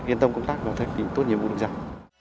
yên tâm công tác và thành tích tốt nhất